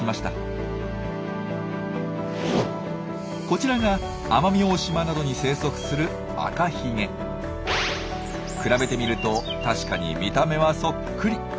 こちらが奄美大島などに生息する比べてみると確かに見た目はそっくり。